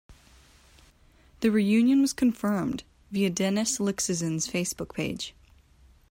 The reunion was confirmed via Dennis Lyxzen's Facebook page.